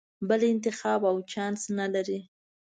بل انتخاب او چانس نه لرې.